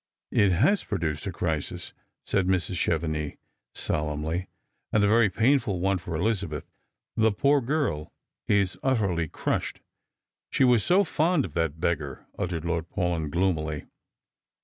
" It has produced a crisis," said Mrs. Chevenix, solemnly, " and a very painful one for EHzabeth. Ttie poor girl is utterly crushed." " She was so fond of that beggar," muttered Lord Paulyn, gloomily.